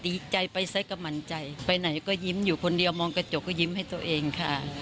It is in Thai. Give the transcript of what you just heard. ดีใจไปซะก็มั่นใจไปไหนก็ยิ้มอยู่คนเดียวมองกระจกก็ยิ้มให้ตัวเองค่ะ